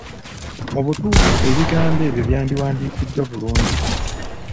Mu butuufu ebigambo ebyo byandiwandiikiddwa bulungi!